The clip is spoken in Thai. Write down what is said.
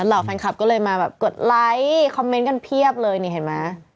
เหล่าแฟนคลับก็เลยมาแบบกดไลค์คอมเมนต์กันเพียบเลยนี่เห็นไหม